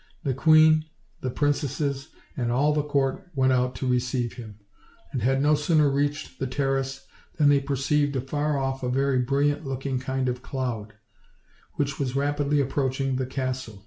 The queen, the princesses, and all the court went out to receive him; and had no sooner reached the terrace than they perceived afar off a very brilliant looking kind of cloud, which was rapidly approaching the castle.